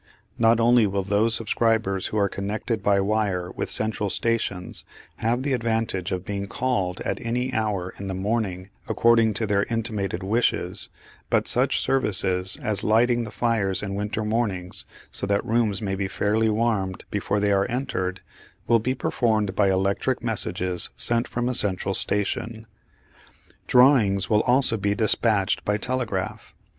Not only will those subscribers who are connected by wire with central stations have the advantage of being called at any hour in the morning according to their intimated wishes, but such services as lighting the fires in winter mornings, so that rooms may be fairly warmed before they are entered, will be performed by electric messages sent from a central station. Drawings will also be despatched by telegraph.